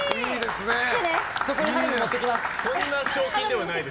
そこに花火持っていきます。